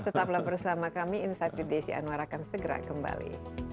tetaplah bersama kami insight with desi anwar akan segera kembali